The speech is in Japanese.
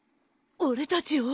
俺たちを？